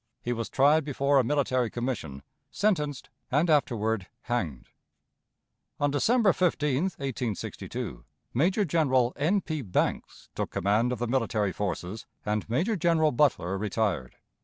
He was tried before a military commission, sentenced, and afterward hanged. On December 15, 1862, Major General N. P. Banks took command of the military forces, and Major General Butler retired.